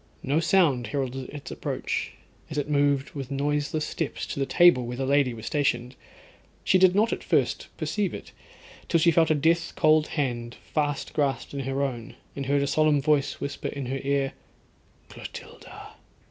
No sound heralded its approach, as it moved with noiseless steps to the table where the lady was stationed. She did not at first perceive it, till she felt a death cold hand fast grasped in her own, and heard a solemn voice whisper in her ear, 'Clotilda.'